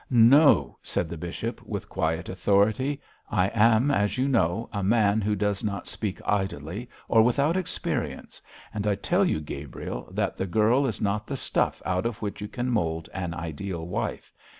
'No!' said the bishop, with quiet authority. 'I am, as you know, a man who does not speak idly or without experience, and I tell you, Gabriel, that the girl is not the stuff out of which you can mould an ideal wife.